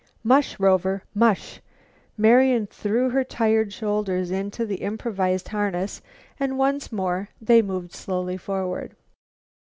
"Mush, Rover! Mush!" Marian threw her tired shoulders into the improvised harness, and once more they moved slowly forward.